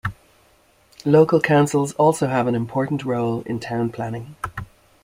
Local councils also have an important role in town planning.